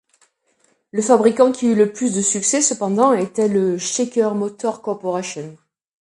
Le fabricant qui eut le plus de succès, cependant, était la Checker Motors Corporation.